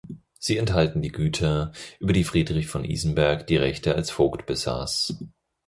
Sie enthalten die Güter, über die Friedrich von Isenberg die Rechte als Vogt besaß.